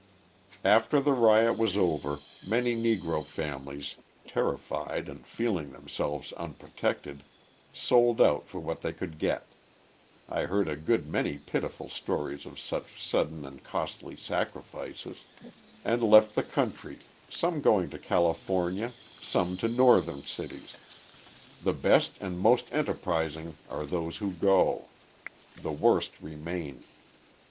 After the riot was over many Negro families, terrified and feeling themselves unprotected, sold out for what they could get I heard a good many pitiful stories of such sudden and costly sacrifices and left the country, some going to California, some to Northern cities. The best and most enterprising are those who go: the worst remain.